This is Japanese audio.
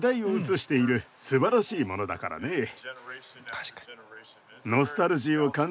確かに。